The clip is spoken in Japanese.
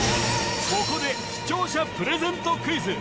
ここで視聴者プレゼントクイズ